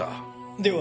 では